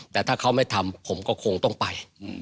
แต่ถ้าเขาไม่ทำผมก็คงต้องไป